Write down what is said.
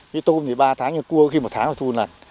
cái tôm thì ba tháng cái cua thì một tháng phải thu một lần